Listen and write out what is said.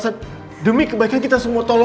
kecemasan penghutusmu desa